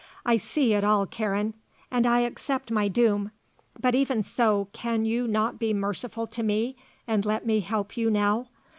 I see it all, Karen. And I accept my doom. But even so, can you not be merciful to me and let me help you now?